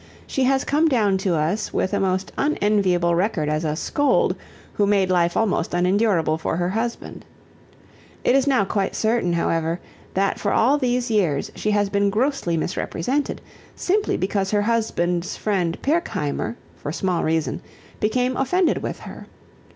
She has come down to us with a most unenviable record as a scold who made life almost unendurable for her husband. It is now quite certain, however, that for all these years she has been grossly misrepresented, simply because her husband's friend Pirkheimer, for small reason, became offended with her.